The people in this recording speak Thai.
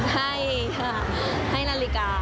ให้ให้นาฬิกาค่ะ